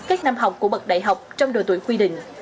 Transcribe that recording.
các năm học của bậc đại học trong đội tuổi quy định